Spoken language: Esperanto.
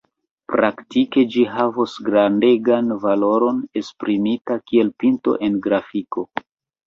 Praktike ĝi havos grandegan valoron esprimita kiel pinto en grafiko.